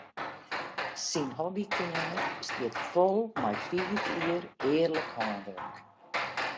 Syn hobbykeamer stiet fol mei fiif jier earlik hânwurk.